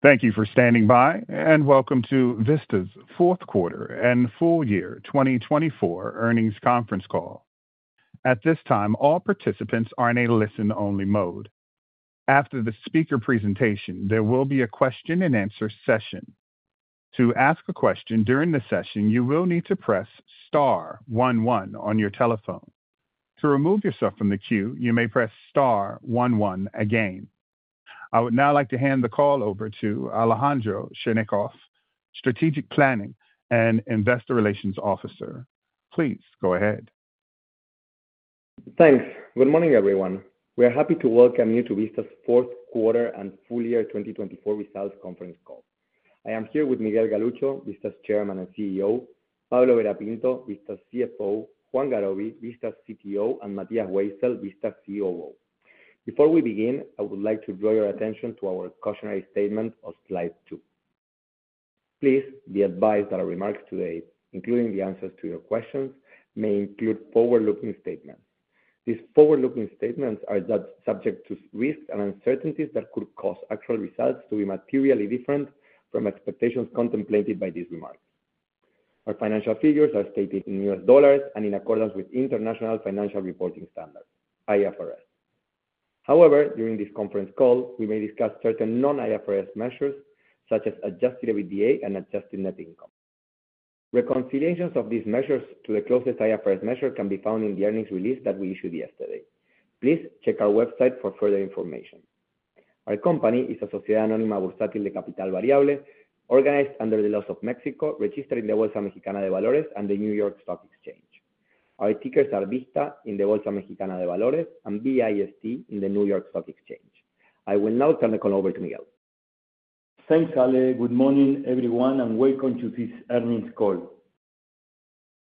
Thank you for standing by, and welcome to Vista's Q4 and Full Year 2024 Earnings Conference Call. At this time, all participants are in a listen-only mode. After the speaker presentation, there will be a question-and-answer session. To ask a question during the session, you will need to press star one one on your telephone. To remove yourself from the queue, you may press star one one again. I would now like to hand the call over to Alejandro Cherñacov, Strategic Planning and Investor Relations Officer. Please go ahead. Thanks. Good morning, everyone. We are happy to welcome you to Vista's Q4 and full year 2024 results Conference Call. I am here with Miguel Galuccio, Vista's Chairman and CEO; Pablo Vera Pinto, Vista's CFO; Juan Garoby, Vista's CTO; and Matías Weissel, Vista's COO. Before we begin, I would like to draw your attention to our cautionary statement of slide two. Please, the advice that are remarked today, including the answers to your questions, may include forward-looking statements. These forward-looking statements are subject to risks and uncertainties that could cause actual results to be materially different from expectations contemplated by these remarks. Our financial figures are stated in U.S. dollars and in accordance with International Financial Reporting Standards, IFRS. However, during this conference call, we may discuss certain non-IFRS measures, such as Adjusted EBITDA and adjusted net income. Reconciliations of these measures to the closest IFRS measure can be found in the earnings release that we issued yesterday. Please check our website for further information. Our company is Sociedad Anónima Bursátil de Capital Variable, organized under the laws of Mexico, registered in the Bolsa Mexicana de Valores and the New York Stock Exchange. Our tickers are VISTA in the Bolsa Mexicana de Valores and VIST in the New York Stock Exchange. I will now turn the call over to Miguel. Thanks, Ale. Good morning, everyone, and welcome to this earnings call.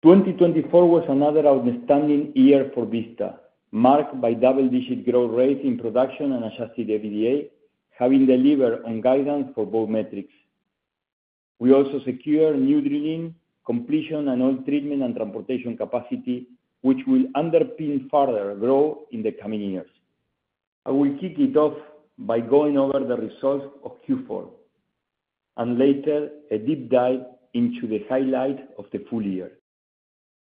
2024 was another outstanding year for Vista, marked by double-digit growth rates in production and Adjusted EBITDA, having delivered on guidance for both metrics. We also secured new drilling, completion, and oil treatment and transportation capacity, which will underpin further growth in the coming years. I will kick it off by going over the results of Q4 and later a deep dive into the highlights of the full year.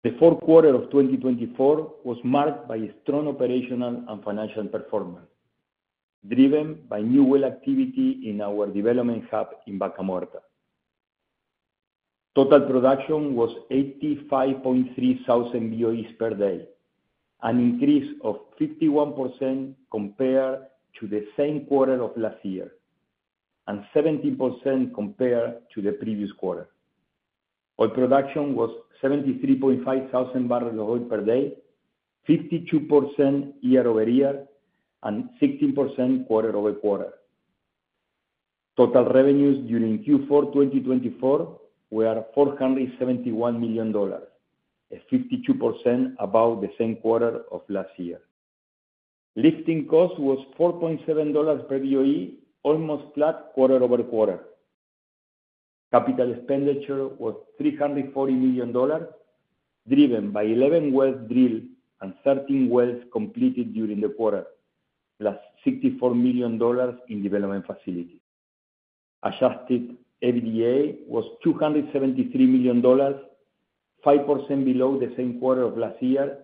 The Q4 of 2024 was marked by strong operational and financial performance, driven by new oil activity in our development hub in Vaca Muerta. Total production was 85,300 BOEs per day, an increase of 51% compared to the same quarter of last year and 17% compared to the previous quarter. Oil production was 73,500 barrels of oil per day, 52% year over year, and 16% quarter over quarter. Total revenues during Q4 2024 were $471 million, 52% above the same quarter of last year. Lifting cost was $4.7 per BOE, almost flat quarter over quarter. Capital expenditure was $340 million, driven by 11 wells drilled and 13 wells completed during the quarter, plus $64 million in development facilities. Adjusted EBITDA was $273 million, 5% below the same quarter of last year.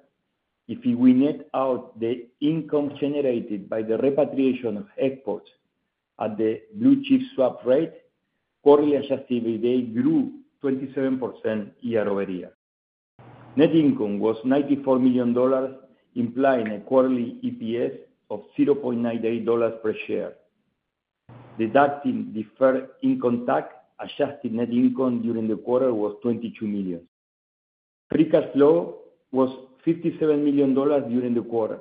If we net out the income generated by the repatriation of exports at the Blue-chip swap rate, quarterly adjusted EBITDA grew 27% year over year. Net income was $94 million, implying a quarterly EPS of $0.98 per share. Deducting deferred income tax, adjusted net income during the quarter was $22 million. Free cash flow was $57 million during the quarter.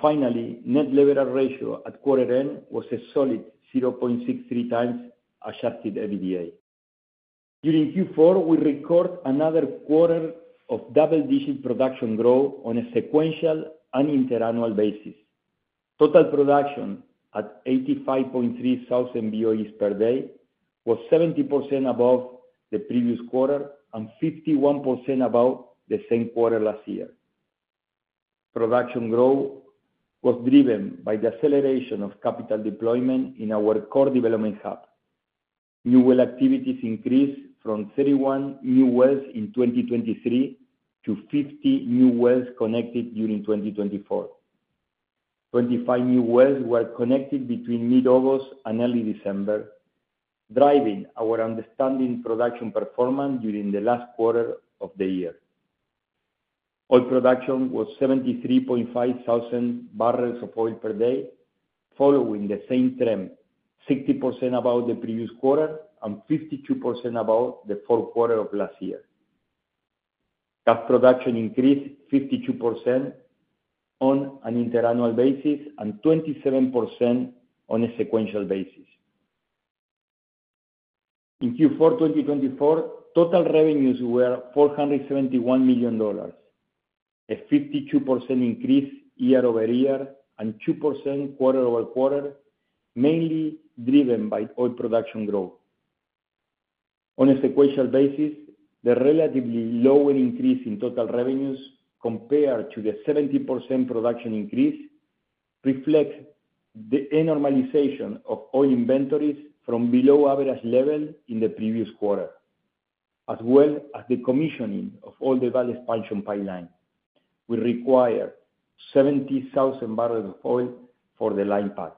Finally, net leverage ratio at quarter end was a solid 0.63 times Adjusted EBITDA. During Q4, we recorded another quarter of double-digit production growth on a sequential and interannual basis. Total production at 85,300 BOEs per day was 70% above the previous quarter and 51% above the same quarter last year. Production growth was driven by the acceleration of capital deployment in our core development hub. New well activities increased from 31 new wells in 2023 to 50 new wells connected during 2024. 25 new wells were connected between mid-August and early December, driving our outstanding production performance during the last quarter of the year. Oil production was 73,500 barrels of oil per day, following the same trend, 60% above the previous quarter and 52% above the Q4 of last year. Gas production increased 52% on an interannual basis and 27% on a sequential basis. In Q4 2024, total revenues were $471 million, a 52% increase year over year and 2% quarter over quarter, mainly driven by oil production growth. On a sequential basis, the relatively low increase in total revenues compared to the 70% production increase reflects the normalization of oil inventories from below average level in the previous quarter, as well as the commissioning of the Oldelval expansion pipeline, which required 70,000 barrels of oil for the line pack.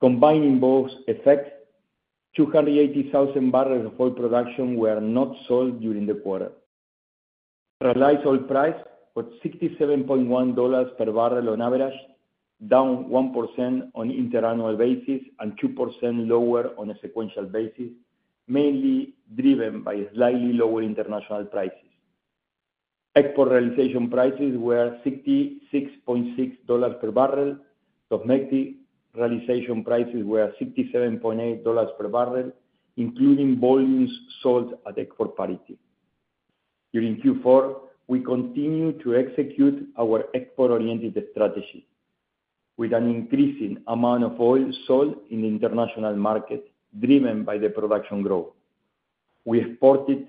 Combining both effects, 280,000 barrels of oil production were not sold during the quarter. Realized oil price was $67.1 per barrel on average, down 1% on an interannual basis and 2% lower on a sequential basis, mainly driven by slightly lower international prices. Export realization prices were $66.6 per barrel. Domestic realization prices were $67.8 per barrel, including volumes sold at export parity. During Q4, we continued to execute our export-oriented strategy, with an increasing amount of oil sold in the international market, driven by the production growth. We exported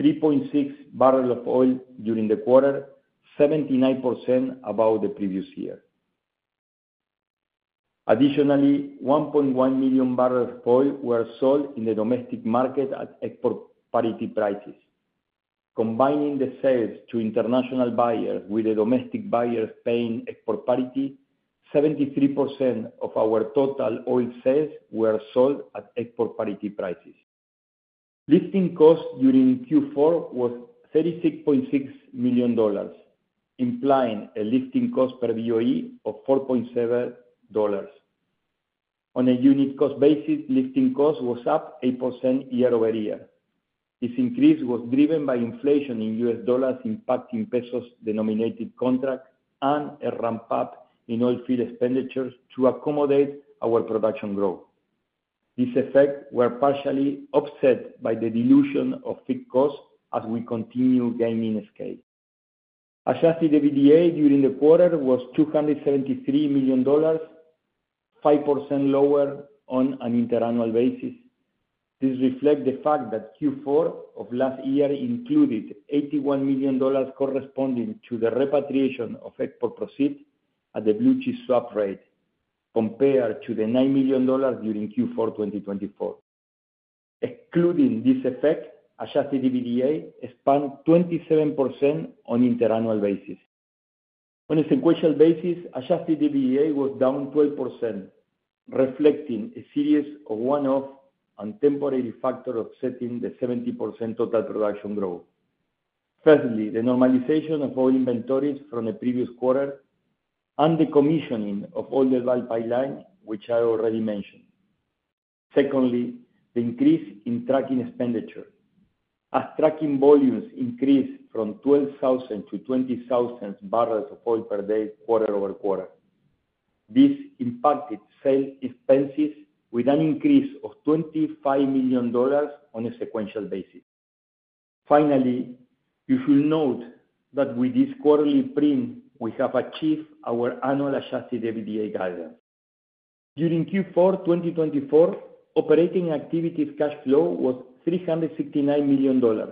3.6 barrel of oil during the quarter, 79% above the previous year. Additionally, 1.1 million barrels of oil were sold in the domestic market at export parity prices. Combining the sales to international buyers with the domestic buyers paying export parity, 73% of our total oil sales were sold at export parity prices. Lifting cost during Q4 was $36.6 million, implying a lifting cost per BOE of $4.7. On a unit cost basis, lifting cost was up 8% year over year. This increase was driven by inflation in US dollars impacting peso-denominated contracts and a ramp-up in oil field expenditures to accommodate our production growth. These effects were partially offset by the dilution of fixed costs as we continue gaining scale. Adjusted EBITDA during the quarter was $273 million, 5% lower on an interannual basis. This reflects the fact that Q4 of last year included $81 million corresponding to the repatriation of export proceeds at the Blue-chip swap rate, compared to the $9 million during Q4 2024. Excluding these effects, adjusted EBITDA expanded 27% on an interannual basis. On a sequential basis, adjusted EBITDA was down 12%, reflecting a series of one-off and temporary factors offsetting the 70% total production growth. Firstly, the normalization of oil inventories from the previous quarter and the commissioning of Oldelval pipelines, which I already mentioned. Secondly, the increase in trucking expenditure, as trucking volumes increased from 12,000 to 20,000 barrels of oil per day quarter over quarter. This impacted sales expenses with an increase of $25 million on a sequential basis. Finally, you should note that with this quarterly print, we have achieved our annual Adjusted EBITDA guidance. During Q4 2024, operating activities cash flow was $369 million,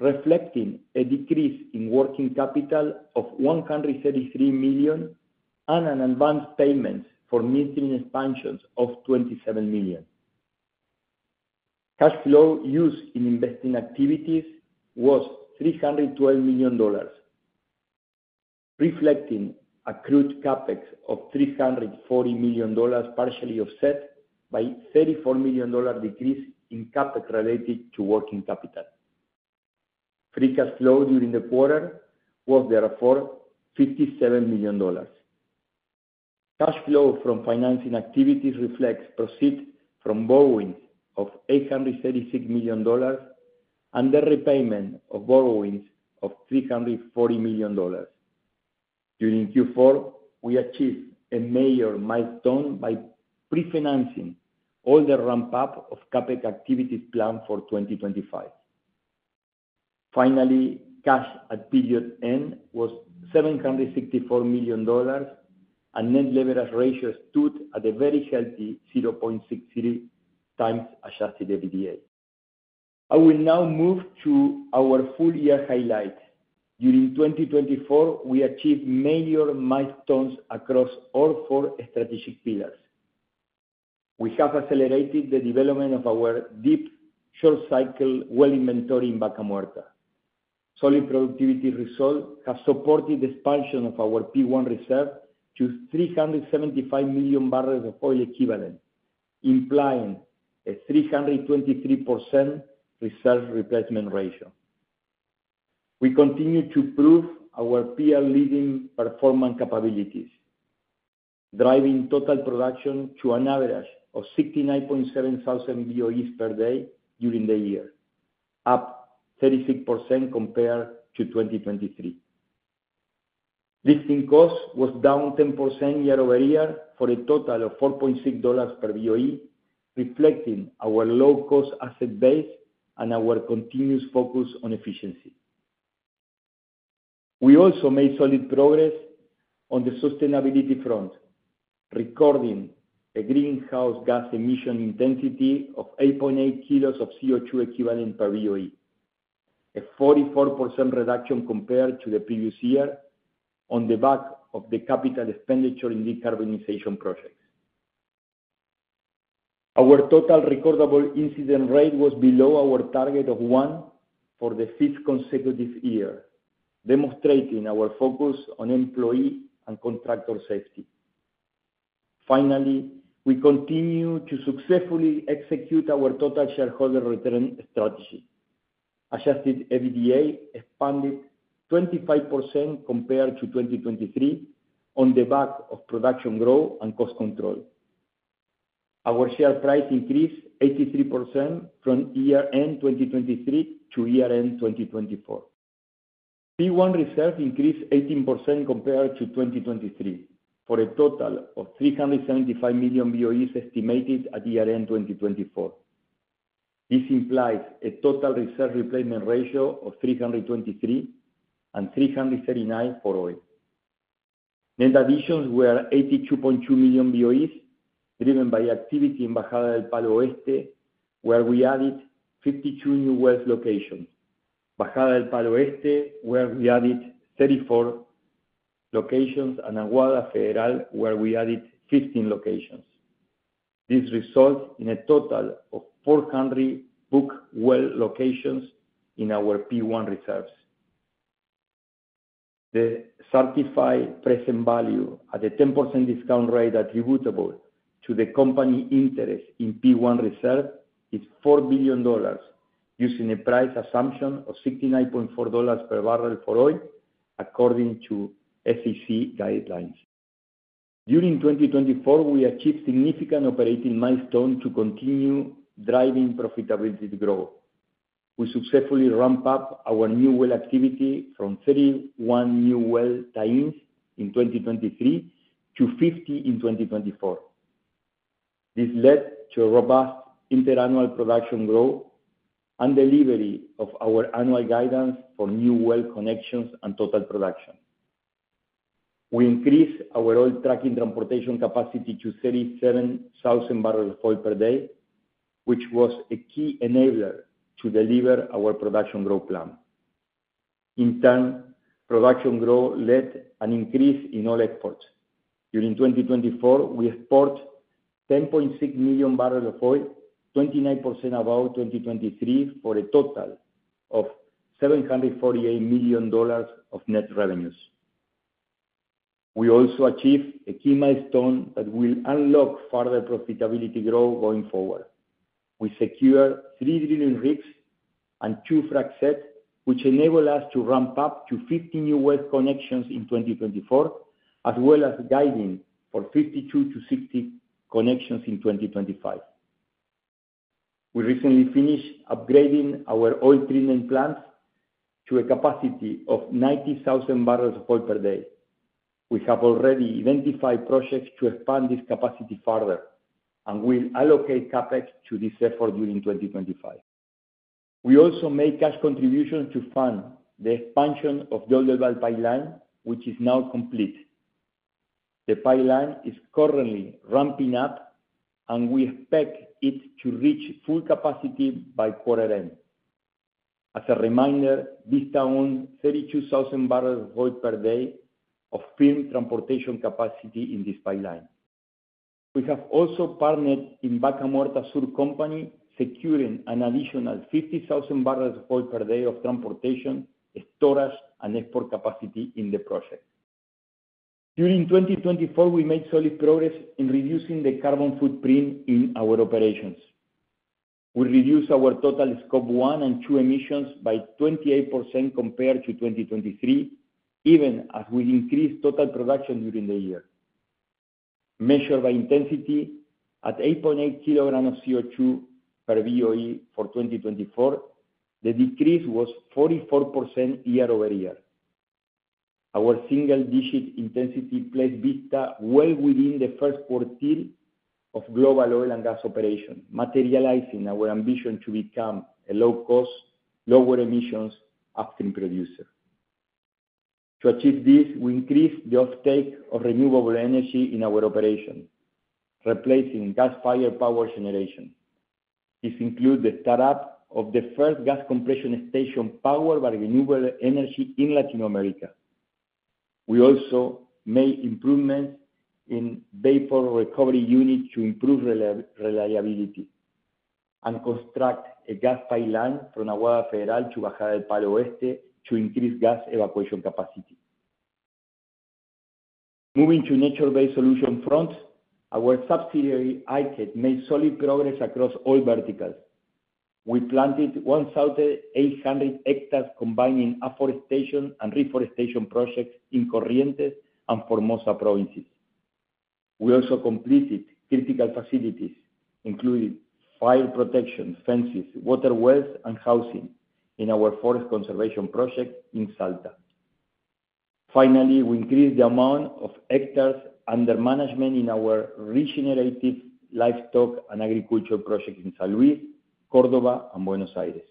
reflecting a decrease in working capital of $133 million and an advance payment for midstream expansions of $27 million. Cash flow used in investing activities was $312 million, reflecting a crude Capex of $340 million partially offset by a $34 million decrease in Capex related to working capital. Free cash flow during the quarter was, therefore, $57 million. Cash flow from financing activities reflects proceeds from borrowings of $836 million and the repayment of borrowings of $340 million. During Q4, we achieved a major milestone by pre-financing all the ramp-up of Capex activities planned for 2025. Finally, cash at period end was $764 million, and net leverage ratio stood at a very healthy 0.63 times Adjusted EBITDA. I will now move to our full year highlights. During 2024, we achieved major milestones across all four strategic pillars. We have accelerated the development of our deep short-cycle well inventory in Vaca Muerta. Solid productivity results have supported the expansion of our P1 reserves to 375 million barrels of oil equivalent, implying a 323% reserve replacement ratio. We continue to prove our peer-leading performance capabilities, driving total production to an average of 69,700 BOEs per day during the year, up 36% compared to 2023. Lifting cost was down 10% year over year for a total of $4.6 per BOE, reflecting our low-cost asset base and our continuous focus on efficiency. We also made solid progress on the sustainability front, recording a greenhouse gas emission intensity of 8.8 kg of CO2 equivalent per BOE, a 44% reduction compared to the previous year on the back of the capital expenditure in decarbonization projects. Our total recordable incident rate was below our target of one for the fifth consecutive year, demonstrating our focus on employee and contractor safety. Finally, we continue to successfully execute our total shareholder return strategy. Adjusted EBITDA expanded 25% compared to 2023 on the back of production growth and cost control. Our share price increased 83% from year-end 2023 to year-end 2024. P1 reserve increased 18% compared to 2023 for a total of 375 million BOEs estimated at year-end 2024. This implies a total reserve replacement ratio of 323% and 339% for oil. Net additions were 82.2 million BOEs, driven by activity in Bajada del Palo Este, where we added 52 new well locations. Bajada del Palo Este, where we added 34 locations, and Aguada Federal, where we added 15 locations. This resulted in a total of 400 booked well locations in our P1 reserves. The certified present value at a 10% discount rate attributable to the company interest in P1 reserves is $4 billion, using a price assumption of $69.4 per barrel for oil, according to SEC guidelines. During 2024, we achieved significant operating milestones to continue driving profitability growth. We successfully ramped up our new well activity from 31 new well tie-ins in 2023 to 50 in 2024. This led to robust interannual production growth and delivery of our annual guidance for new well connections and total production. We increased our oil trucking transportation capacity to 37,000 barrels of oil per day, which was a key enabler to deliver our production growth plan. In turn, production growth led to an increase in oil exports. During 2024, we exported 10.6 million barrels of oil, 29% above 2023, for a total of $748 million of net revenues. We also achieved a key milestone that will unlock further profitability growth going forward. We secured three drilling rigs and two frac sets, which enabled us to ramp up to 50 new well connections in 2024, as well as guiding for 52 to 60 connections in 2025. We recently finished upgrading our oil treatment plants to a capacity of 90,000 barrels of oil per day. We have already identified projects to expand this capacity further and will allocate CapEx to this effort during 2025. We also made cash contributions to fund the expansion of the Oldelval pipeline, which is now complete. The pipeline is currently ramping up, and we expect it to reach full capacity by quarter end. As a reminder, this line has 32,000 barrels of oil per day of firm transportation capacity in this pipeline. We have also partnered with Vaca Muerta Sur, securing an additional 50,000 barrels of oil per day of transportation, storage, and export capacity in the project. During 2024, we made solid progress in reducing the carbon footprint in our operations. We reduced our total Scope 1 and 2 emissions by 28% compared to 2023, even as we increased total production during the year. Measured by intensity at 8.8 kg of CO2 per BOE for 2024, the decrease was 44% year over year. Our single-digit intensity placed Vista well within the first quartile of global oil and gas operation, materializing our ambition to become a low-cost, lower-emissions upstream producer. To achieve this, we increased the offtake of renewable energy in our operation, replacing gas-fired power generation. This includes the start-up of the first gas compression station powered by renewable energy in Latin America. We also made improvements in vapor recovery units to improve reliability and constructed a gas pipeline from Aguada Federal to Bajada del Palo Este to increase gas evacuation capacity. Moving to nature-based solution fronts, our subsidiary Aike made solid progress across all verticals. We planted 1,800 hectares combining afforestation and reforestation projects in Corrientes and Formosa provinces. We also completed critical facilities, including fire protection, fences, water wells, and housing in our forest conservation project in Salta. Finally, we increased the amount of hectares under management in our regenerative livestock and agriculture projects in San Luis, Córdoba, and Buenos Aires.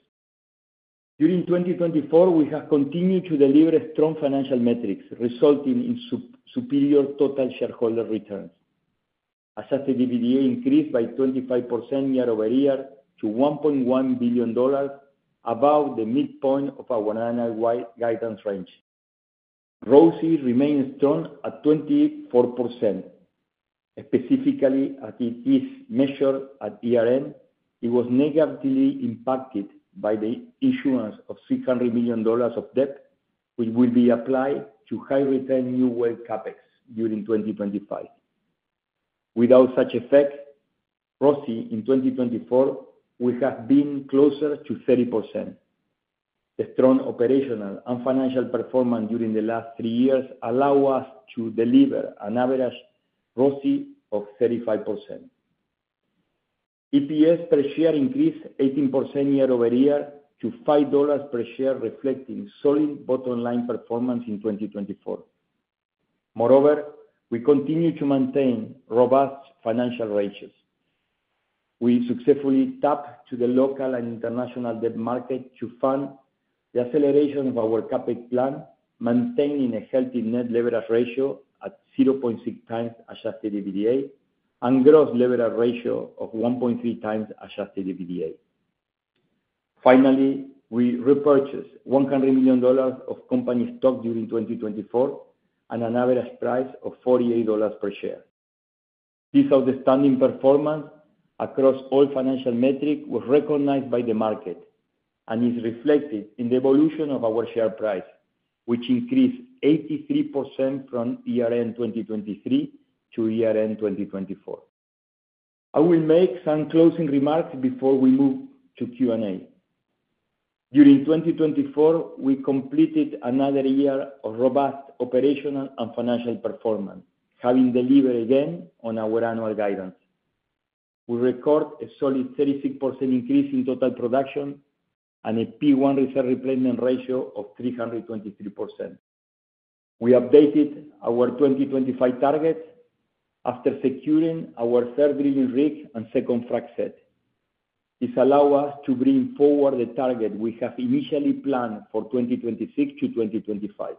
During 2024, we have continued to deliver strong financial metrics, resulting in superior total shareholder returns. Adjusted EBITDA increased by 25% year over year to $1.1 billion, above the midpoint of our annual guidance range. ROCE remained strong at 24%. Specifically, as it is measured at year-end, it was negatively impacted by the issuance of $300 million of debt, which will be applied to high-return new well CapEx during 2025. Without such effect, ROCE in 2024 will have been closer to 30%. The strong operational and financial performance during the last three years allowed us to deliver an average ROCE of 35%. EPS per share increased 18% year over year to $5 per share, reflecting solid bottom-line performance in 2024. Moreover, we continue to maintain robust financial rates. We successfully tapped to the local and international debt market to fund the acceleration of our CapEx plan, maintaining a healthy net leverage ratio at 0.6 times Adjusted EBITDA and gross leverage ratio of 1.3 times Adjusted EBITDA. Finally, we repurchased $100 million of company stock during 2024 at an average price of $48 per share. This outstanding performance across all financial metrics was recognized by the market and is reflected in the evolution of our share price, which increased 83% from year-end 2023 to year-end 2024. I will make some closing remarks before we move to Q&A. During 2024, we completed another year of robust operational and financial performance, having delivered again on our annual guidance. We recorded a solid 36% increase in total production and a P1 reserve replacement ratio of 323%. We updated our 2025 targets after securing our third drilling rig and second frac set. This allowed us to bring forward the target we had initially planned for 2026 to 2025.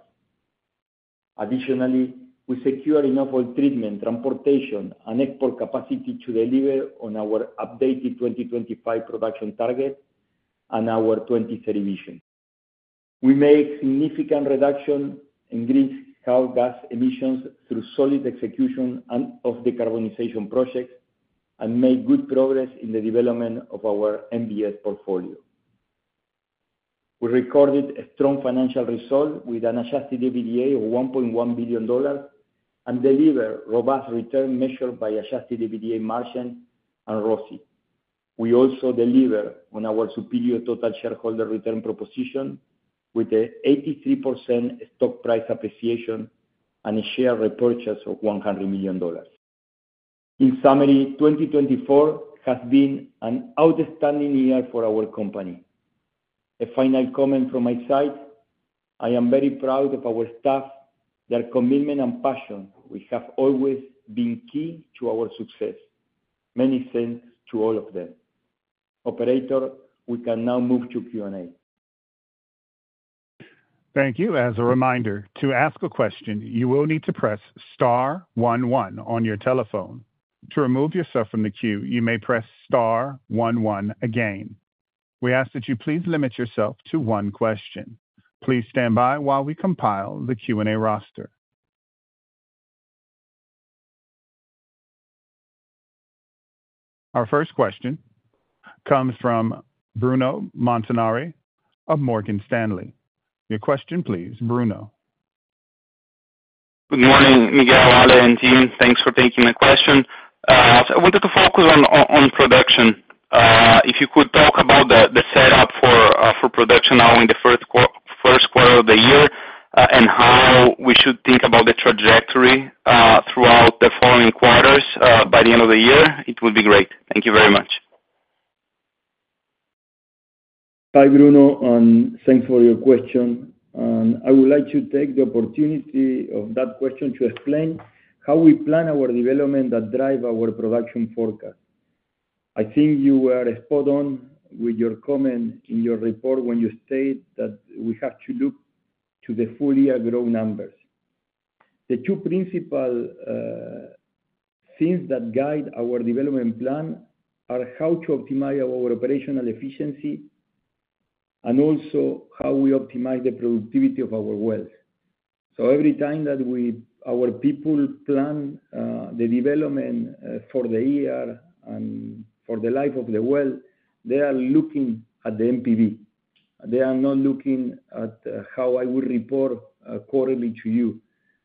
Additionally, we secured enough oil treatment, transportation, and export capacity to deliver on our updated 2025 production target and our 2030 vision. We made significant reductions in greenhouse gas emissions through solid execution of decarbonization projects and made good progress in the development of our NBS portfolio. We recorded a strong financial result with an adjusted EBITDA of $1.1 billion and delivered robust returns measured by adjusted EBITDA margin and ROCE. We also delivered on our superior total shareholder return proposition with an 83% stock price appreciation and a share repurchase of $100 million. In summary, 2024 has been an outstanding year for our company. A final comment from my side: I am very proud of our staff, their commitment, and passion. We have always been key to our success. Many thanks to all of them. Operator, we can now move to Q&A. Thank you. As a reminder, to ask a question, you will need to press star one one on your telephone. To remove yourself from the queue, you may press star one one again. We ask that you please limit yourself to one question. Please stand by while we compile the Q&A roster. Our first question comes from Bruno Montanari of Morgan Stanley. Your question, please, Bruno. Good morning, Miguel Galuccio. Thanks for taking my question. I wanted to focus on production. If you could talk about the setup for production now in the Q1 of the year and how we should think about the trajectory throughout the following quarters by the end of the year, it would be great. Thank you very much. Hi, Bruno, and thanks for your question. I would like to take the opportunity of that question to explain how we plan our development that drives our production forecast. I think you were spot on with your comment in your report when you stated that we have to look to the full-year growth numbers. The two principal things that guide our development plan are how to optimize our operational efficiency and also how we optimize the productivity of our wells. So every time that our people plan the development for the year and for the life of the well, they are looking at the NPV. They are not looking at how I will report quarterly to you.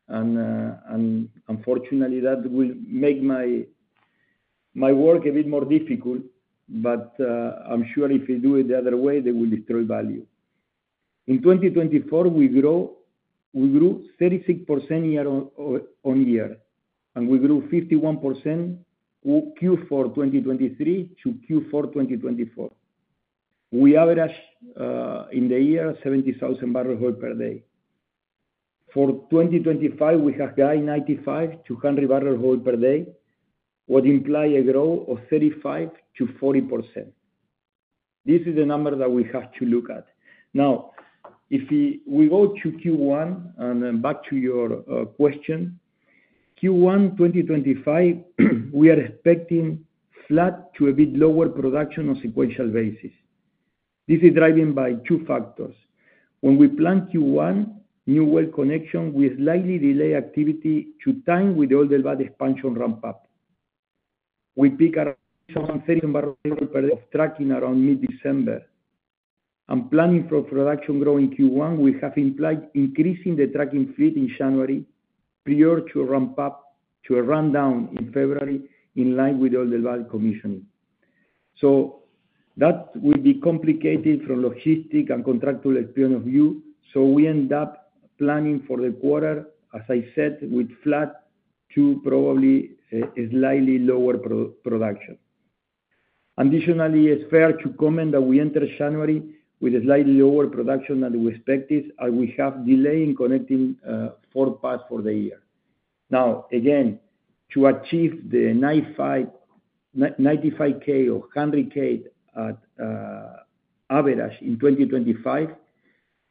Unfortunately, that will make my work a bit more difficult, but I'm sure if we do it the other way, it will destroy value. In 2024, we grew 36% year-on-year, and we grew 51% Q4 2023-Q4 2024. We averaged in the year 70,000 barrels of oil per day. For 2025, we have guided 95-100 barrels of oil per day, which implies a growth of 35%-40%. This is the number that we have to look at. Now, if we go to Q1 and back to your question, Q1 2025, we are expecting flat to a bit lower production on a sequential basis. This is driven by two factors. When we plan Q1, new well connection will slightly delay activity to time with the Oldelval expansion ramp-up. We picked around 30 barrels per day of trucking around mid-December and planning for production growth in Q1, we have implied increasing the trucking fleet in January prior to a ramp-up to a rundown in February in line with Oldelval commissioning, so that will be complicated from a logistical and contractual point of view, so we end up planning for the quarter, as I said, with flat to probably a slightly lower production. Additionally, it's fair to comment that we entered January with a slightly lower production than we expected, and we have delayed in connecting four pads for the year. Now, again, to achieve the 95K or 100K average in 2025,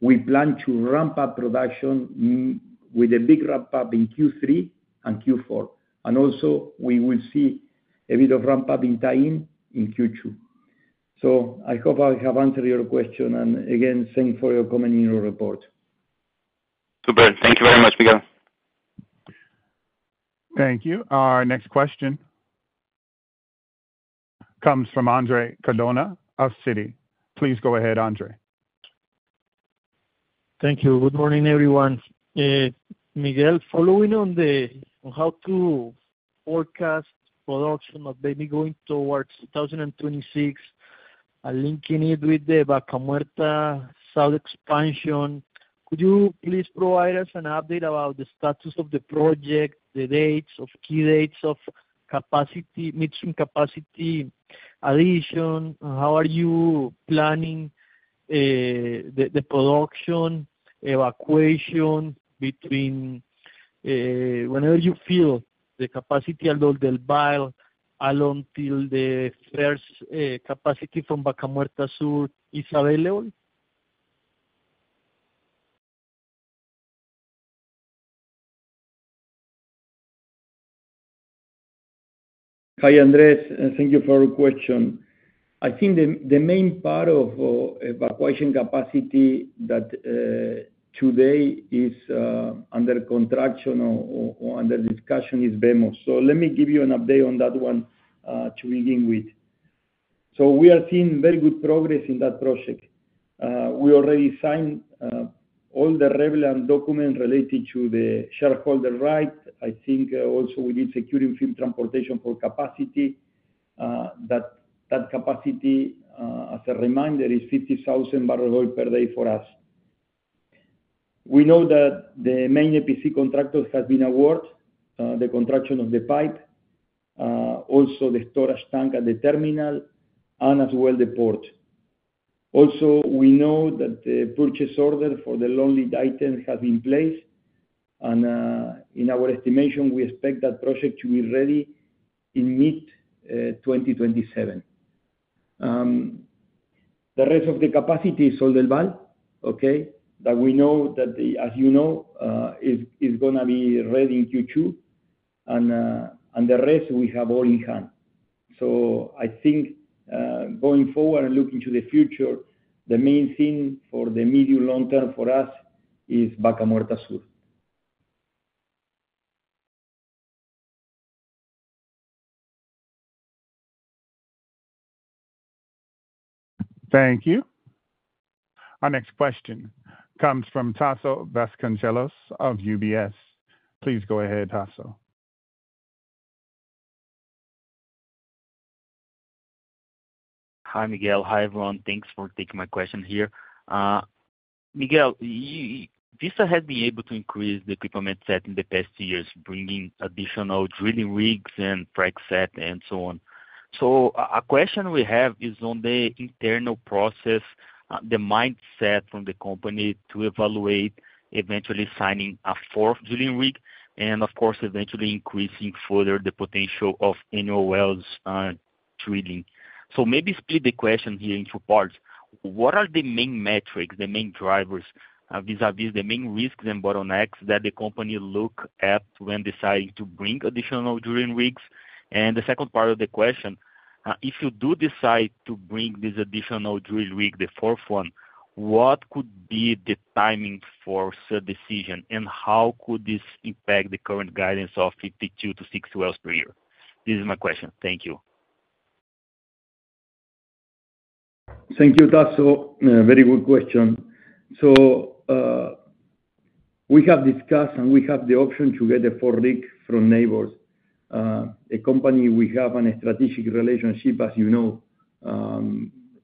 we plan to ramp up production with a big ramp-up in Q3 and Q4 and also, we will see a bit of ramp-up in tie-in in Q2, so I hope I have answered your question. Again, thanks for your comment in your report. Super. Thank you very much, Miguel. Thank you. Our next question comes from Andres Cardona of Citi. Please go ahead, Andres. Thank you. Good morning, everyone. Miguel, following on how to forecast production of Vaca Muerta going towards 2026 and linking it with the Vaca Muerta Sur expansion, could you please provide us an update about the status of the project, the key dates of midstream capacity addition? How are you planning the production evacuation between now until you fill the capacity at Oldelval until the first capacity from Vaca Muerta Sur is available? Hi, Andres. Thank you for your question. I think the main part of evacuation capacity that today is under construction or under discussion is VMOS. So let me give you an update on that one to begin with. So we are seeing very good progress in that project. We already signed all the relevant documents related to the shareholder rights. I think also we did securing field transportation for capacity. That capacity, as a reminder, is 50,000 barrels of oil per day for us. We know that the main EPC contractors have been awarded the construction of the pipe, also the storage tank at the terminal, and as well the port. Also, we know that the purchase order for the long lead items has been placed. And in our estimation, we expect that project to be ready in mid-2027. The rest of the capacity is Oldelval, okay, that we know, as you know, is going to be ready in Q2. And the rest, we have all in hand. So I think going forward and looking to the future, the main thing for the medium-long term for us is Vaca Muerta Sur. Thank you. Our next question comes from Tasso Vasconcelos of UBS. Please go ahead, Tasso. Hi, Miguel. Hi, everyone. Thanks for taking my question here. Miguel, Vista has been able to increase the equipment set in the past years, bringing additional drilling rigs and frac set and so on. So a question we have is on the internal process, the mindset from the company to evaluate eventually signing a fourth drilling rig and, of course, eventually increasing further the potential of annual wells drilling. So maybe split the question here into parts. What are the main metrics, the main drivers, vis-à-vis the main risks and bottlenecks that the company looks at when deciding to bring additional drilling rigs? The second part of the question, if you do decide to bring this additional drill rig, the fourth one, what could be the timing for the decision, and how could this impact the current guidance of 52-62 wells per year? This is my question. Thank you. Thank you, Tasso. Very good question. So we have discussed and we have the option to get the fourth rig from Nabors, a company we have a strategic relationship with, as you know.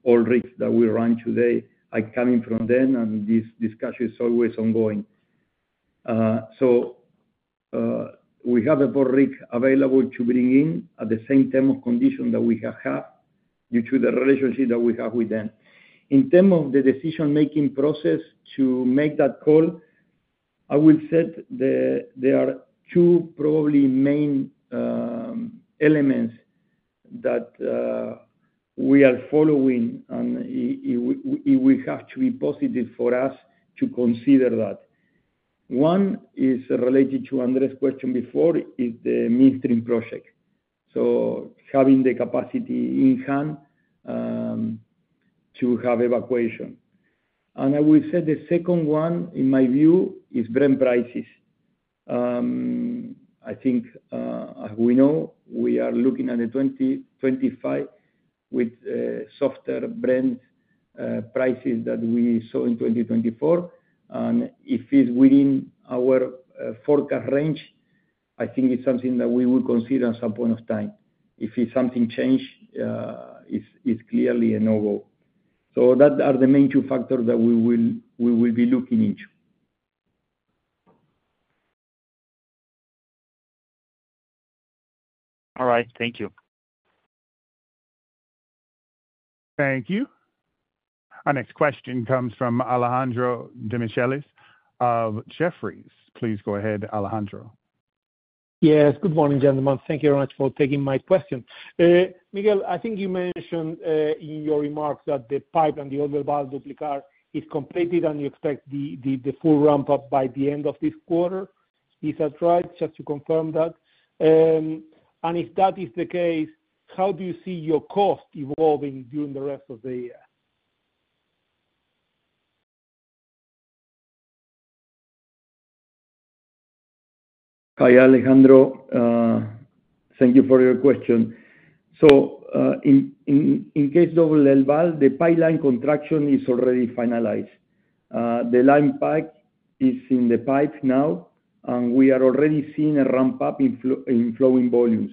All rigs that we run today are coming from them, and this discussion is always ongoing. So we have a fourth rig available to bring in at the same terms and conditions that we have due to the relationship that we have with them. In terms of the decision-making process to make that call, I will say there are two probably main elements that we are following, and it will have to be positive for us to consider that. One is related to Andres's question before is the midstream project. So having the capacity in hand to have evacuation. And I will say the second one, in my view, is Brent prices. I think, as we know, we are looking at the 2025 with softer Brent prices that we saw in 2024. And if it's within our forecast range, I think it's something that we will consider at some point of time. If something changes, it's clearly a no-go. So that are the main two factors that we will be looking into. All right. Thank you. Thank you. Our next question comes from Alejandro Demichelis of Jefferies. Please go ahead, Alejandro. Yes. Good morning, gentlemen. Thank you very much for taking my question. Miguel, I think you mentioned in your remarks that the pipeline and the Oldelval duplication is completed, and you expect the full ramp-up by the end of this quarter. Is that right? Just to confirm that. And if that is the case, how do you see your cost evolving during the rest of the year? Hi, Alejandro. Thank you for your question. So in case of Oldelval, the pipeline construction is already finalized. The line pipe is in place now, and we are already seeing a ramp-up in flowing volumes.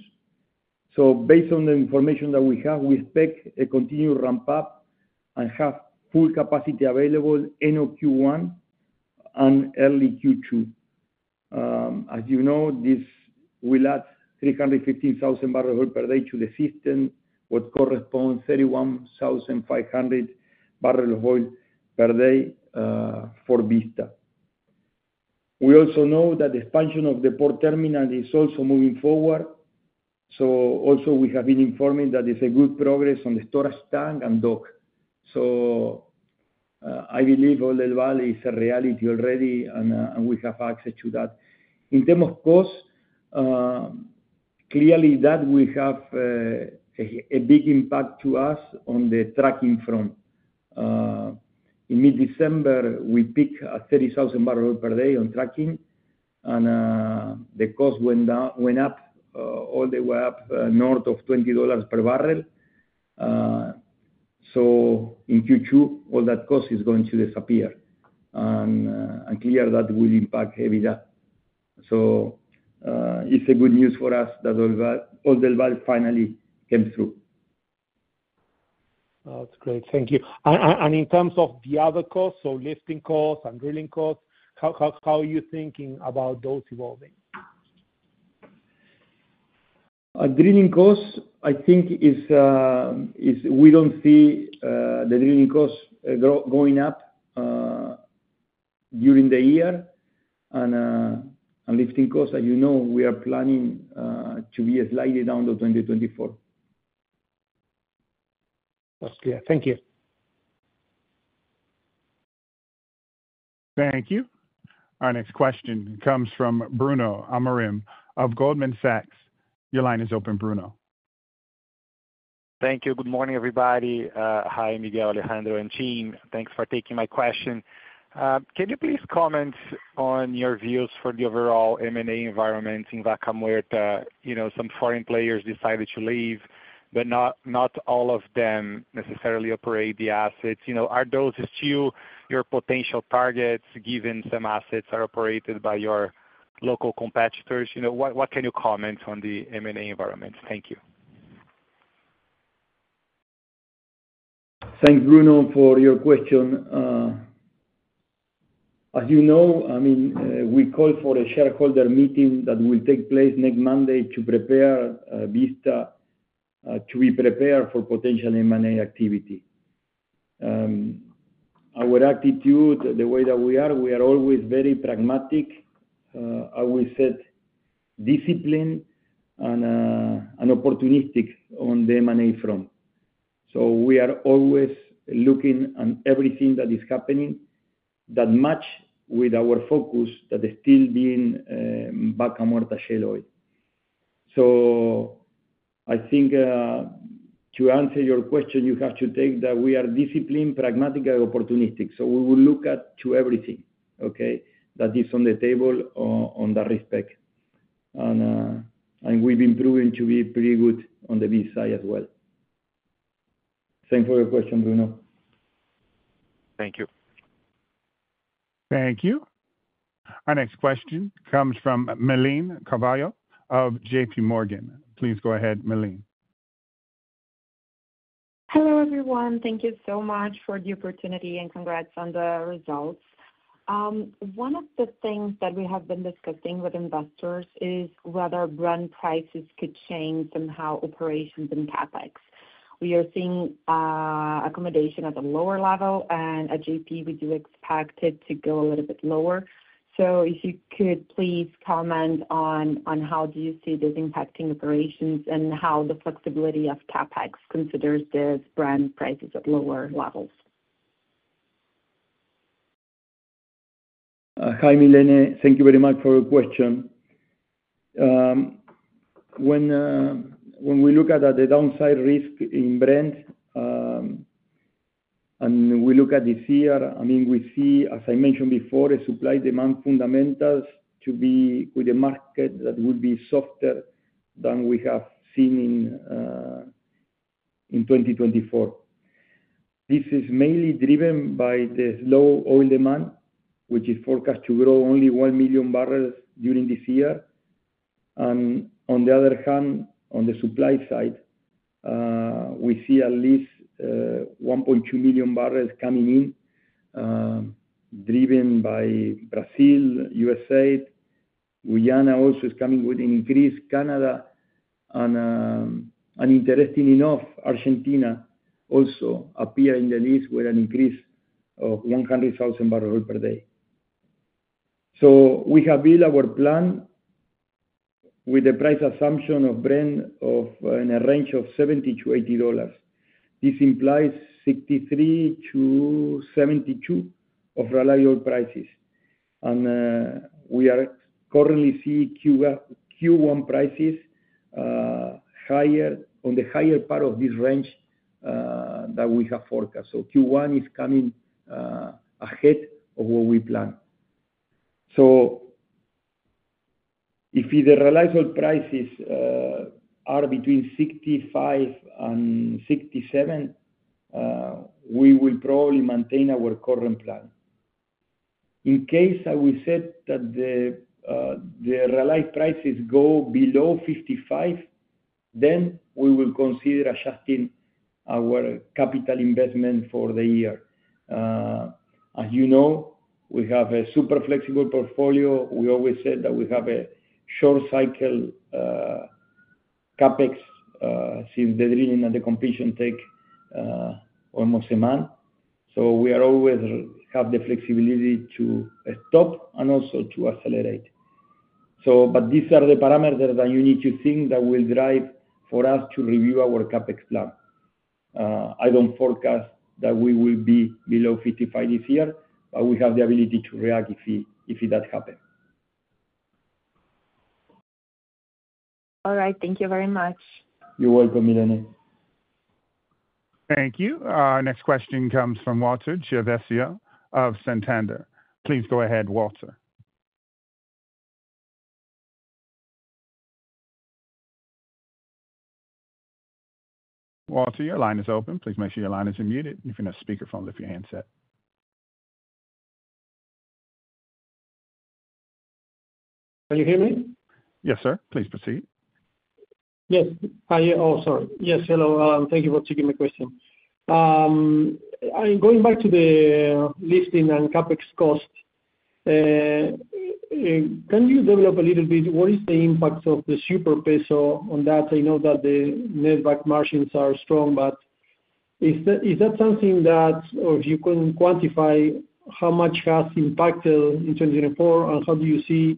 So based on the information that we have, we expect a continued ramp-up and have full capacity available in Q1 and early Q2. As you know, this will add 315,000 barrels of oil per day to the system, what corresponds to 31,500 barrels of oil per day for Vista. We also know that the expansion of the port terminal is also moving forward. So also, we have been informed that it's a good progress on the storage tank and dock. So I believe Oldelval is a reality already, and we have access to that. In terms of cost, clearly that will have a big impact on us on the trucking front. In mid-December, we picked 30,000 barrels per day on trucking, and the cost went up all the way up north of $20 per barrel. So in Q2, all that cost is going to disappear. And clearly, that will impact EBITDA. So it's good news for us that Oldelval finally came through. That's great. Thank you. And in terms of the other costs, so lifting costs and drilling costs, how are you thinking about those evolving? Drilling costs, I think we don't see the drilling costs going up during the year. And lifting costs, as you know, we are planning to be slightly down to 2024. That's clear. Thank you. Thank you. Our next question comes from Bruno Amorim of Goldman Sachs. Your line is open, Bruno. Thank you. Good morning, everybody. Hi, Miguel, Alejandro, and Juan. Thanks for taking my question. Can you please comment on your views for the overall M&A environment in Vaca Muerta? Some foreign players decided to leave, but not all of them necessarily operate the assets. Are those still your potential targets given some assets are operated by your local competitors? What can you comment on the M&A environment? Thank you. Thanks, Bruno, for your question. As you know, I mean, we called for a shareholder meeting that will take place next Monday to prepare Vista to be prepared for potential M&A activity. Our attitude, the way that we are, we are always very pragmatic. I will say disciplined and opportunistic on the M&A front. So we are always looking at everything that is happening that matches with our focus that is still being Vaca Muerta Shale Oil. So I think to answer your question, you have to take that we are disciplined, pragmatic, and opportunistic. So we will look at everything, okay, that is on the table on that respect. And we've been proven to be pretty good on the V side as well. Thanks for your question, Bruno. Thank you. Thank you. Our next question comes from Meurlin Carvalho of JPMorgan. Please go ahead, Meurlin. Hello, everyone. Thank you so much for the opportunity and congrats on the results. One of the things that we have been discussing with investors is whether Brent prices could change somehow operations in CapEx. We are seeing allocations at a lower level, and at JP, we do expect it to go a little bit lower. So if you could please comment on how do you see this impacting operations and how the flexibility of CapEx considers the Brent prices at lower levels. Hi, Meurlin. Thank you very much for your question. When we look at the downside risk in Brent and we look at this year, I mean, we see, as I mentioned before, a supply-demand fundamentals to be with a market that will be softer than we have seen in 2024. This is mainly driven by the low oil demand, which is forecast to grow only one million barrels during this year. On the other hand, on the supply side, we see at least 1.2 million barrels coming in, driven by Brazil, U.S. Guyana also is coming with an increase. Canada, and interestingly enough, Argentina also appears in the list with an increase of 100,000 barrels per day. We have built our plan with the price assumption of Brent in a range of $70-$80. This implies 63-72 of realized prices. We are currently seeing Q1 prices higher on the higher part of this range that we have forecast. Q1 is coming ahead of what we planned. If the realized prices are between 65 and 67, we will probably maintain our current plan. In case I will say that the realized prices go below $55, then we will consider adjusting our capital investment for the year. As you know, we have a super flexible portfolio. We always said that we have a short cycle CapEx since the drilling and the completion take almost a month. So we always have the flexibility to stop and also to accelerate. But these are the parameters that you need to think that will drive for us to review our CapEx plan. I don't forecast that we will be below $55 this year, but we have the ability to react if that happens. All right. Thank you very much. You're welcome, Meurlin. Thank you. Our next question comes from Walter Chiarvesio of Santander. Please go ahead, Walter. Walter, your line is open. Please make sure your line is unmuted. If you're on a speakerphone, lift your handset. Can you hear me? Yes, sir. Please proceed. Yes. Oh, sorry. Yes. Hello. Thank you for taking my question. Going back to the lifting and CapEx cost, can you develop a little bit what is the impact of the super peso on that? I know that the netback margins are strong, but is that something that you can quantify how much has impacted in 2024, and how do you see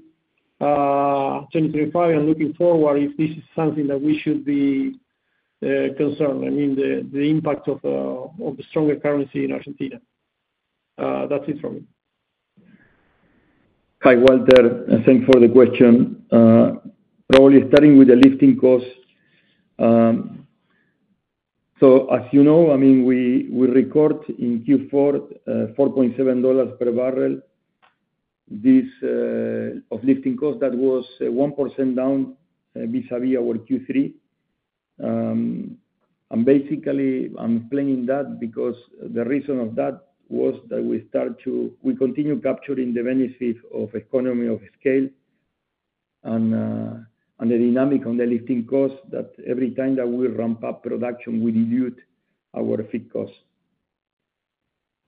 2025 and looking forward if this is something that we should be concerned? I mean, the impact of the stronger currency in Argentina. That's it from me. Hi, Walter. Thanks for the question. Probably starting with the lifting cost. So as you know, I mean, we record in Q4 $4.7 per barrel of lifting cost. That was 1% down vis-à-vis our Q3. Basically, I'm explaining that because the reason of that was that we continue capturing the benefit of economies of scale and the dynamic on the lifting cost that every time that we ramp up production, we dilute our fixed cost.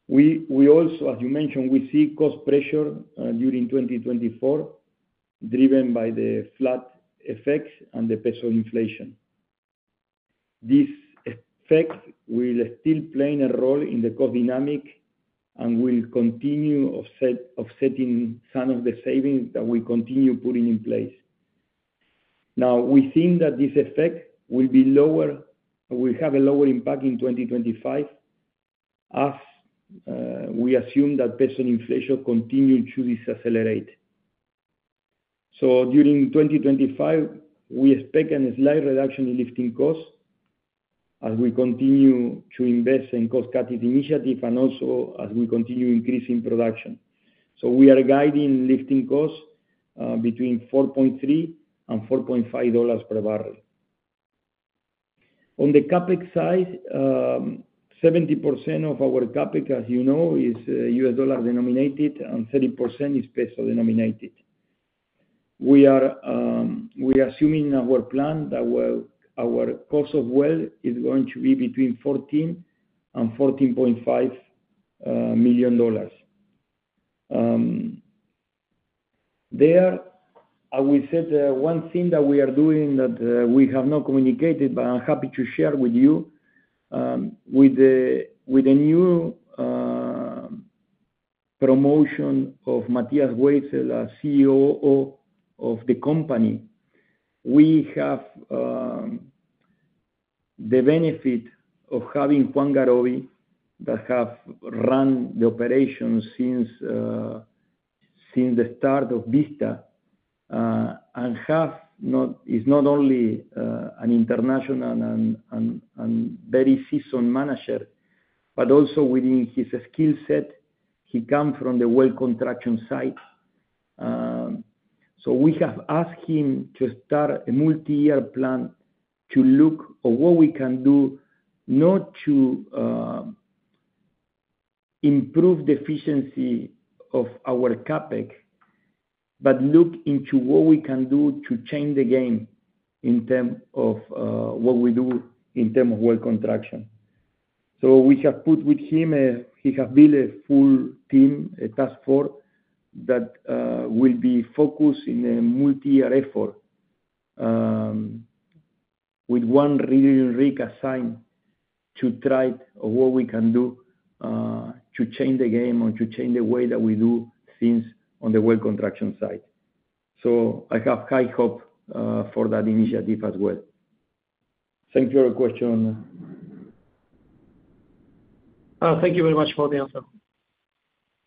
We also, as you mentioned, we see cost pressure during 2024 driven by the fleet effects and the peso inflation. This effect will still play a role in the cost dynamic and will continue offsetting some of the savings that we continue putting in place. Now, we think that this effect will have a lower impact in 2025 as we assume that peso inflation continues to decelerate. During 2025, we expect a slight reduction in lifting costs as we continue to invest in cost-cutting initiatives and also as we continue increasing production. We are guiding lifting costs between $4.3 and $4.5 per barrel. On the CapEx side, 70% of our CapEx, as you know, is US dollar denominated, and 30% is peso denominated. We are assuming our plan that our cost of well is going to be between $14 and $14.5 million. There, I will say one thing that we are doing that we have not communicated, but I'm happy to share with you. With the new promotion of Matías Weissel, CEO of the company, we have the benefit of having Juan Garoby that has run the operations since the start of Vista and is not only an international and very seasoned manager, but also within his skill set, he comes from the well contraction side. So we have asked him to start a multi-year plan to look at what we can do not to improve the efficiency of our CapEx, but look into what we can do to change the game in terms of what we do in terms of well construction. So we have put with him. He has built a full team, a task force that will be focused in a multi-year effort with one really unique assignment to try what we can do to change the game or to change the way that we do things on the well construction side. So I have high hopes for that initiative as well. Thank you for your question. Thank you very much for the answer.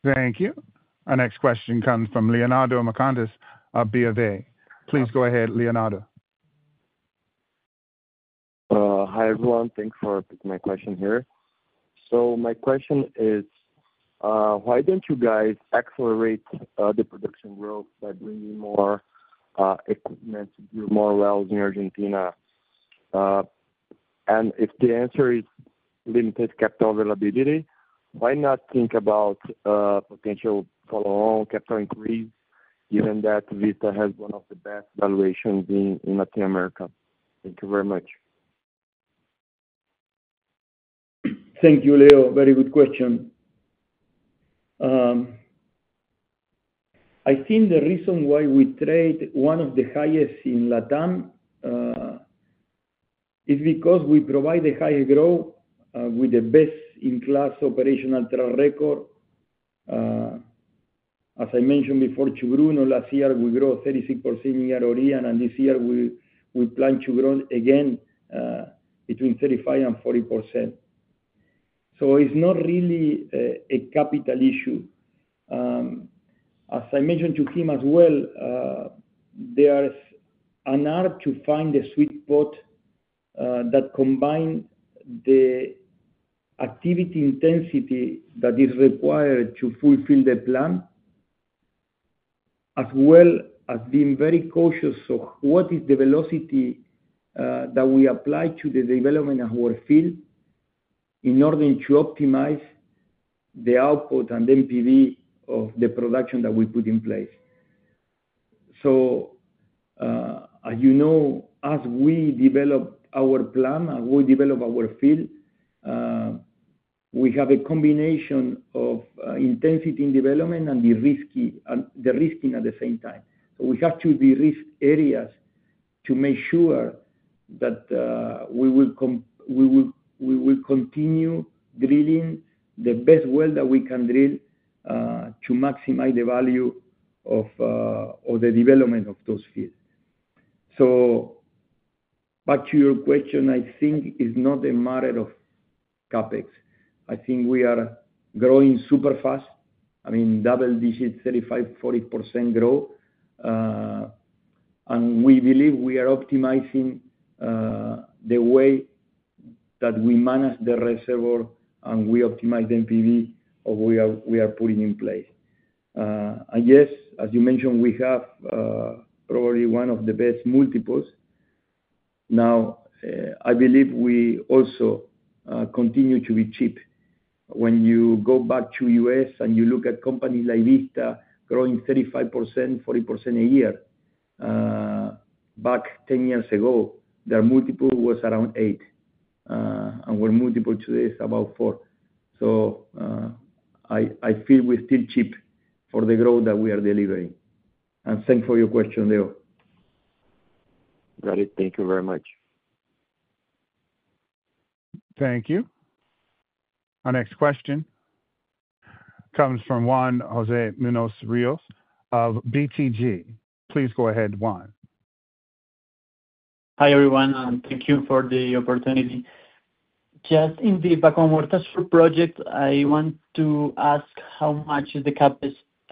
Thank you. Our next question comes from Leonardo Marcondes of Bank of America. Please go ahead, Leonardo. Hi, everyone. Thanks for taking my question here. So my question is, why don't you guys accelerate the production growth by bringing more equipment, more wells in Argentina? And if the answer is limited capital availability, why not think about potential follow-on capital increase, given that Vista has one of the best valuations in Latin America? Thank you very much. Thank you, Leo. Very good question. I think the reason why we trade one of the highest in LATAM is because we provide the highest growth with the best-in-class operational track record. As I mentioned before, to Bruno, last year, we grew 36% year-on-year, and this year, we plan to grow again between 35% and 40%. So it's not really a capital issue. As I mentioned to him as well, there is an art to find the sweet spot that combines the activity intensity that is required to fulfill the plan, as well as being very cautious of what is the velocity that we apply to the development of our field in order to optimize the output and NPV of the production that we put in place. So as you know, as we develop our plan, as we develop our field, we have a combination of intensity in development and the de-risking at the same time. So we have to de-risk areas to make sure that we will continue drilling the best well that we can drill to maximize the value of the development of those fields. So back to your question, I think it's not a matter of CapEx. I think we are growing super fast. I mean, double digits, 35%-40% growth. We believe we are optimizing the way that we manage the reservoir and we optimize the NPV we are putting in place. Yes, as you mentioned, we have probably one of the best multiples. Now, I believe we also continue to be cheap. When you go back to the U.S. and you look at companies like Vista growing 35%-40% a year, back 10 years ago, their multiple was around 8. Our multiple today is about 4. So I feel we're still cheap for the growth that we are delivering. Thanks for your question, Leo. Got it. Thank you very much. Thank you. Our next question comes from Juan José Muñoz of BTG. Please go ahead, Juan. Hi, everyone. Thank you for the opportunity. Just in the background, we're touching a project.I want to ask how much is the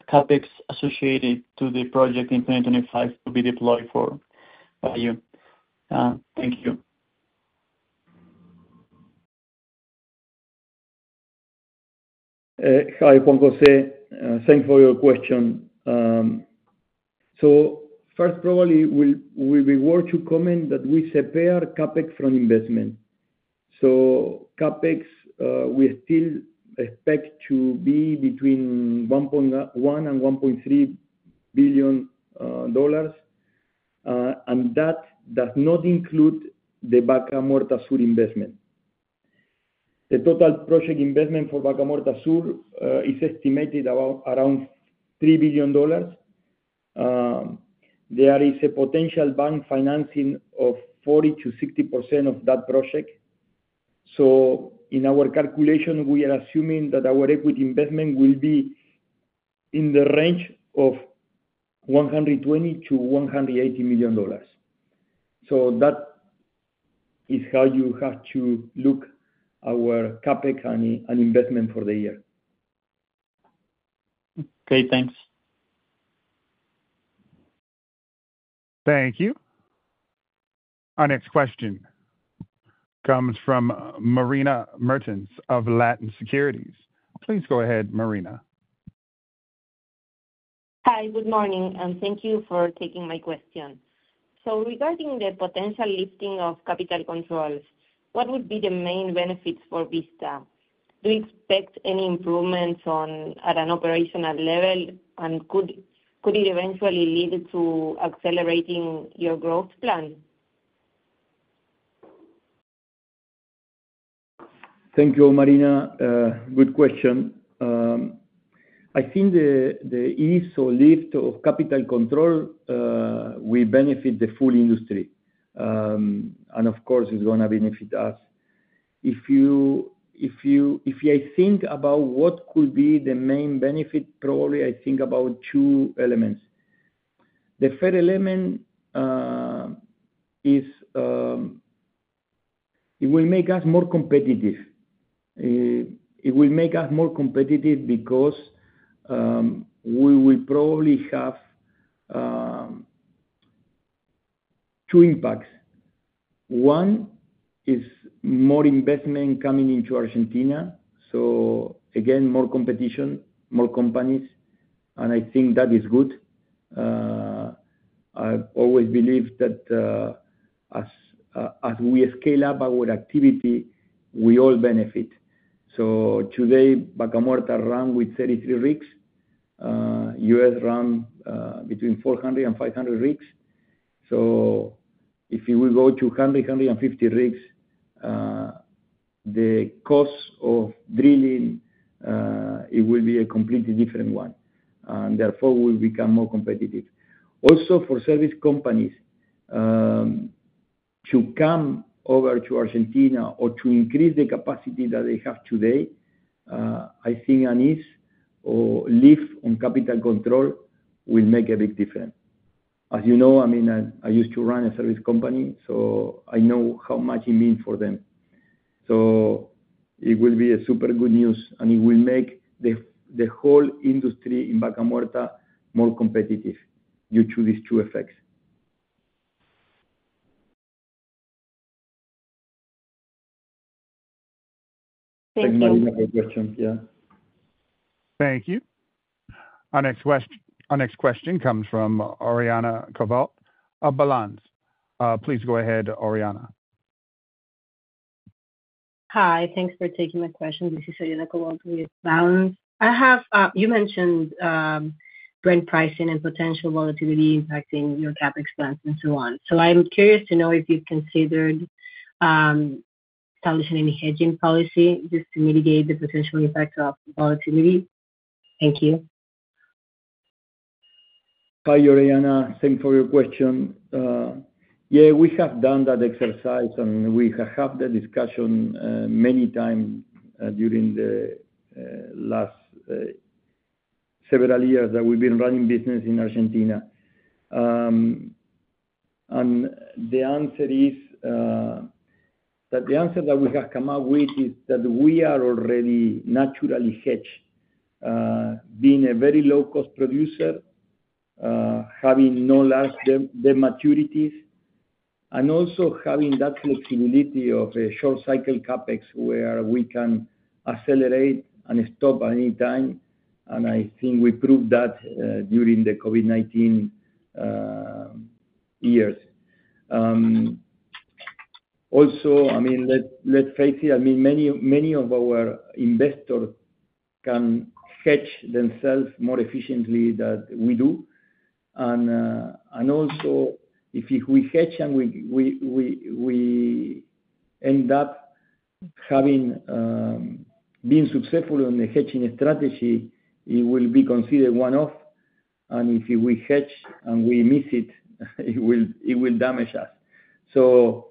CapEx associated to the project in 2025 to be deployed for by you? Thank you. Hi, Juan José. Thanks for your question. So first, probably we'll be worth to comment that we separate CapEx from investment. So CapEx, we still expect to be between $1 and $1.3 billion, and that does not include the Vaca Muerta Sur investment. The total project investment for Vaca Muerta Sur is estimated around $3 billion. There is a potential bank financing of 40%-60% of that project. So in our calculation, we are assuming that our equity investment will be in the range of $120-$180 million. So that is how you have to look at our CapEx and investment for the year. Okay. Thanks. Thank you. Our next question comes from Marina Mertens of Latin Securities. Please go ahead, Marina. Hi. Good morning. And thank you for taking my question. So regarding the potential lifting of capital controls, what would be the main benefits for Vista? Do you expect any improvements at an operational level, and could it eventually lead to accelerating your growth plan? Thank you, Marina. Good question. I think the ease or lift of capital control will benefit the full industry. And of course, it's going to benefit us. If I think about what could be the main benefit, probably I think about two elements. The third element is it will make us more competitive. It will make us more competitive because we will probably have two impacts. One is more investment coming into Argentina. So again, more competition, more companies. And I think that is good. I always believe that as we scale up our activity, we all benefit. So today, Vaca Muerta ran with 33 rigs. U.S. ran between 400 and 500 rigs, so if we go to 100, 150 rigs, the cost of drilling, it will be a completely different one, and therefore, we will become more competitive. Also, for service companies to come over to Argentina or to increase the capacity that they have today, I think an ease or lift on capital control will make a big difference. As you know, I mean, I used to run a service company, so I know how much it means for them. So it will be super good news, and it will make the whole industry in Vaca Muerta more competitive due to these two effects. Thank you. Thank you. Our next question comes from Oriana Covault of Balanz. Please go ahead, Oriana. Hi. Thanks for taking my question. This is Oriana Covault with Balanz. You mentioned Brent pricing and potential volatility impacting your CapEx plans and so on. So I'm curious to know if you've considered establishing any hedging policy just to mitigate the potential impact of volatility. Thank you. Hi, Oriana. Thank you for your question. Yeah, we have done that exercise, and we have had the discussion many times during the last several years that we've been running business in Argentina, and the answer is that the answer that we have come up with is that we are already naturally hedged, being a very low-cost producer, having no large debt maturities, and also having that flexibility of a short-cycle CapEx where we can accelerate and stop at any time, and I think we proved that during the COVID-19 years. Also, I mean, let's face it, I mean, many of our investors can hedge themselves more efficiently than we do. And also, if we hedge and we end up being successful in the hedging strategy, it will be considered one-off. And if we hedge and we miss it, it will damage us. So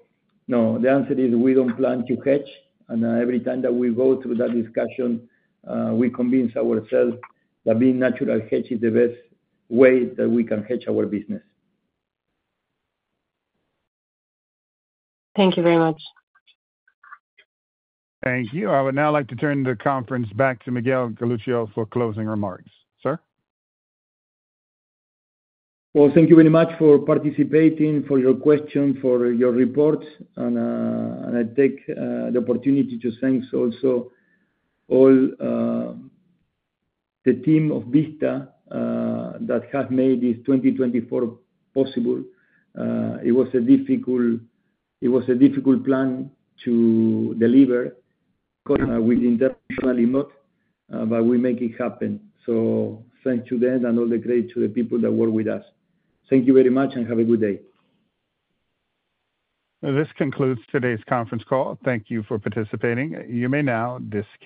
no, the answer is we don't plan to hedge. And every time that we go through that discussion, we convince ourselves that being natural hedge is the best way that we can hedge our business. Thank you very much. Thank you. I would now like to turn the conference back to Miguel Galuccio for closing remarks. Sir? Well, thank you very much for participating, for your questions, for your reports. And I take the opportunity to thank also all the team of Vista that have made this 2024 possible. It was a difficult plan to deliver. We internationally not, but we make it happen. Thanks to them and all the credit to the people that work with us. Thank you very much and have a good day. This concludes today's conference call. Thank you for participating. You may now disconnect.